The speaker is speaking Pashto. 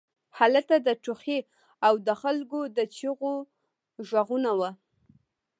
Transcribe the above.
هلته د ټوخي او د خلکو د چیغو غږونه وو